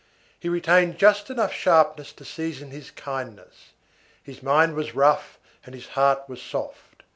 He retained just enough sharpness to season his kindness; his mind was rough and his heart was soft.